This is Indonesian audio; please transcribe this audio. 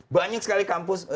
banyak sekali kampus